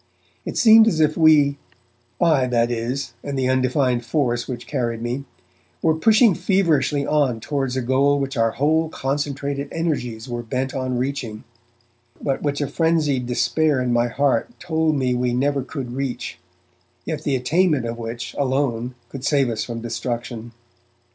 It seemed as if we, I, that is, and the undefined force which carried me, were pushing feverishly on towards a goal which our whole concentrated energies were bent on reaching, but which a frenzied despair in my heart told me we never could reach, yet the attainment of which alone could save us from destruction.